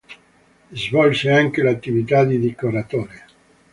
Svolse anche l'attività di decoratore.